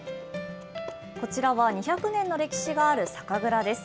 こちらは２００年の歴史がある酒蔵です。